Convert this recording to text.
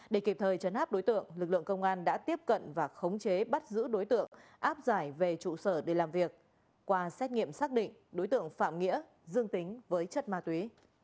để kịp thời chấn áp đối tượng lực lượng công an đã tiếp cận và khống chế bắt giữ đối tượng áp giải về trụ sở để làm việc qua xét nghiệm xác định đối tượng phạm nghĩa dương tính với chất ma túy